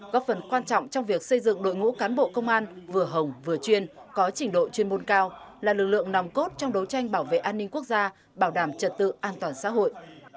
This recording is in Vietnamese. góp phần quan trọng trong việc xây dựng đội ngũ cán bộ công an vừa hồng vừa chuyên có trình độ chuyên môn cao là lực lượng nòng cốt trong đấu tranh bảo vệ an ninh quốc gia bảo đảm trật tự an toàn xã hội